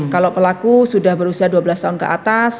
kalau pelaku sudah berusia dua belas tahun ke atas